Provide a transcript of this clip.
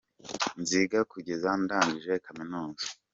nziga kugeza ndangije kaminuza